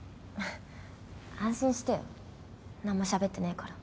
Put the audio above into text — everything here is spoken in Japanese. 安心してよ何もしゃべってないから。